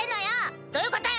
どういうことよ！